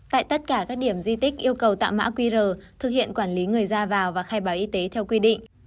tại tất cả các điểm di tích yêu cầu tạm mã qr thực hiện quản lý người ra vào và khai báo y tế theo quy định